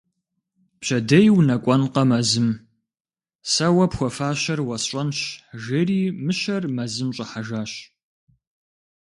Пщэдей унэкӏуэнкъэ мэзым - сэ уэ пхуэфащэр уэсщӏэнщ, - жери мыщэр мэзым щӏыхьэжащ.